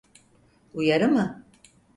Uyarı mı?